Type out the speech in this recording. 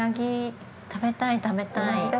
◆食べたい、食べたい。